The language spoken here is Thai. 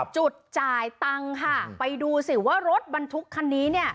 จุดจ่ายตังค์ค่ะไปดูสิว่ารถบรรทุกคันนี้เนี่ย